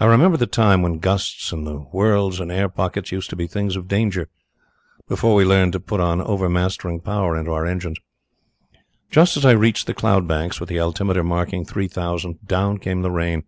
I remember the time when gusts and whirls and air pockets used to be things of danger before we learned to put an overmastering power into our engines. Just as I reached the cloud banks, with the altimeter marking three thousand, down came the rain.